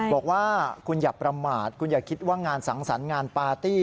บอกว่าคุณอย่าประมาทคุณอย่าคิดว่างานสังสรรค์งานปาร์ตี้